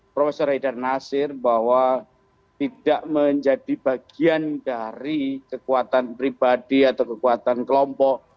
prof haidar nasir bahwa tidak menjadi bagian dari kekuatan pribadi atau kekuatan kelompok